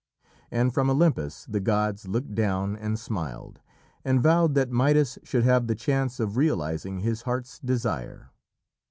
And from Olympus the gods looked down and smiled, and vowed that Midas should have the chance of realising his heart's desire.